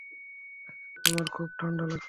আমার খুব ঠান্ডা লাগছে।